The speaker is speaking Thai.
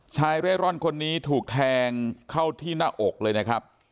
เร่ร่อนคนนี้ถูกแทงเข้าที่หน้าอกเลยนะครับ